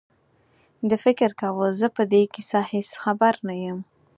ده فکر کاوه زه په دې کیسه هېڅ خبر نه یم.